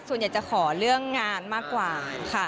ส่วนใหญ่จะขอเรื่องงานมากกว่าค่ะ